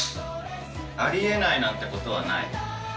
あり得ないなんてことはない。